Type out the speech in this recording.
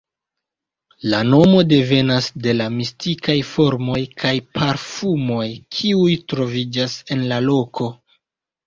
La nomo devenas de la mistikaj formoj kaj parfumoj kiuj troviĝas en la loko.